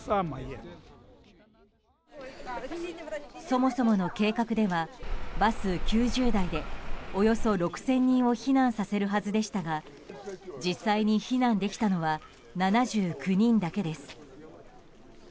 そもそもの計画ではバス９０台でおよそ６０００人を避難させるはずでしたが実際に避難できたのは７９人だけです。